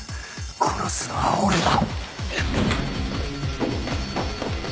殺すのは俺だ！